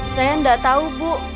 saya enggak tahu bu